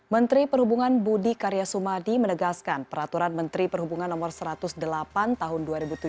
menteri perhubungan budi karya sumadi menegaskan peraturan menteri perhubungan no satu ratus delapan tahun dua ribu tujuh belas